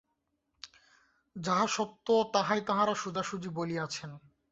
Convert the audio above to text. যাহা সত্য, তাহাই তাঁহারা সোজাসুজি বলিয়াছেন।